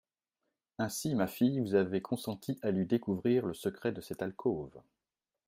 Ainsi, ma fille, vous avez consenti à lui découvrir le secret de cette alcôve.